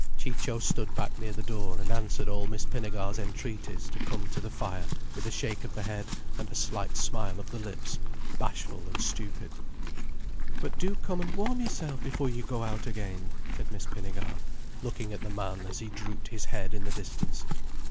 Ciccio stood back near the door, and answered all Miss Pinnegar's entreaties to come to the fire with a shake of the head and a slight smile of the lips, bashful and stupid. "But do come and warm yourself before you go out again," said Miss Pinnegar, looking at the man as he drooped his head in the distance.